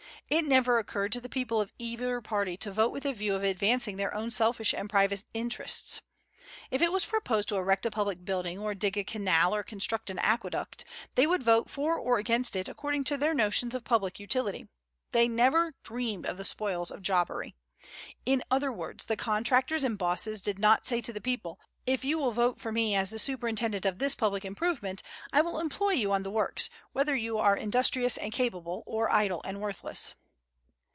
It never occurred to the people of either party to vote with the view of advancing their own selfish and private interests. If it was proposed to erect a public building, or dig a canal, or construct an aqueduct, they would vote for or against it according to their notions of public utility. They never dreamed of the spoils of jobbery. In other words, the contractors and "bosses" did not say to the people, "If you will vote for me as the superintendent of this public improvement, I will employ you on the works, whether you are industrious and capable, or idle and worthless."